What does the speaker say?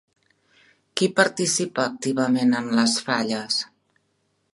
Qui participa activament en les Falles?